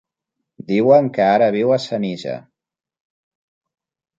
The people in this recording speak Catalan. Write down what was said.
Diuen que ara viu a Senija.